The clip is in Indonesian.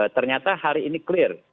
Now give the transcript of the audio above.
ternyata hari ini clear